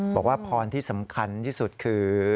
บอกว่าพรที่สำคัญที่สุดคือ